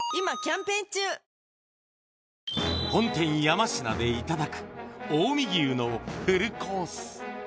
山科でいただく近江牛のフルコース